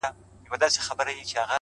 د تل لپاره ـ